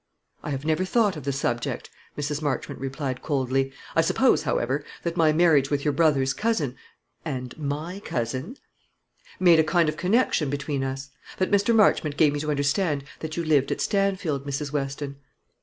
"I have never thought of the subject," Mrs. Marchmont replied coldly. "I suppose, however, that my marriage with your brother's cousin " "And my cousin " "Made a kind of connexion between us. But Mr. Marchmont gave me to understand that you lived at Stanfield, Mrs. Weston."